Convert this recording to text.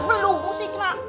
dia gak belung musik nak